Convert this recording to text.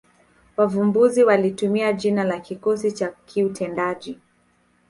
Wavumbuzi walitumia jina la kikosi cha kiutendaji